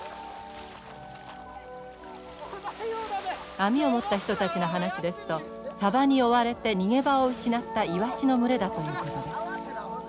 網を持った人たちの話ですとサバに追われて逃げ場を失ったイワシの群れだということです。